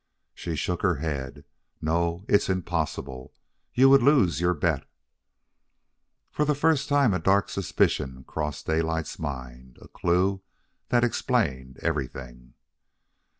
She shook her head. "No, it is impossible. You would lose your bet." For the first time a dark suspicion crossed Daylight's mind a clew that explained everything.